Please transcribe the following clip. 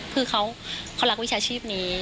คือเขารักวิชาชีพนี้